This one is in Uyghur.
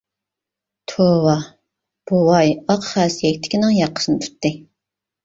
— توۋا، — بوۋاي ئاق خەسە يەكتىكىنىڭ ياقىسىنى تۇتتى.